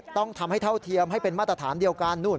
ต้องทำให้เท่าเทียมให้เป็นมาตรฐานเดียวกันนู่น